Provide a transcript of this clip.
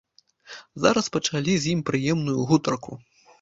Зараз пачалі з ім прыемную гутарку.